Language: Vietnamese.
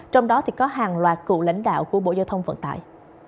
trong đó có hàng loạt cựu lãnh đạo của bộ giao thông vận tải